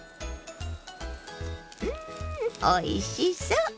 うんおいしそう！